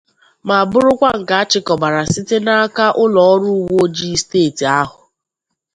ma bụrụkwa nke a chịkọbara site n'aka ụlọọrụ uweojii steeti ahụ.